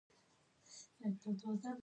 سوله د ژوند خوږه نغمه ده.